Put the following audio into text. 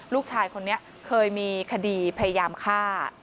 ลูกชายคนนี้เคยมีคดีพยายามฆ่า